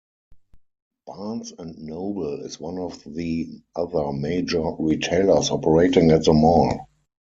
Barnes and Noble is one of the other major retailers operating at the mall.